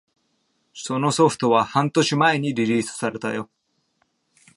そのソフトは半年前にリリースされたよ